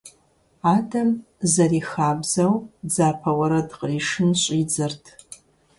Адэм, зэрихабзэу, дзапэ уэрэд къришын щIидзэрт.